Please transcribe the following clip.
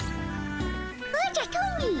おじゃトミー。